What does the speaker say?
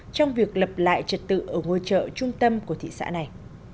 trong việc lập lại trật tự ở ngôi chợ trung tâm của thị xã này